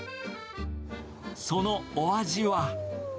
そのお味は。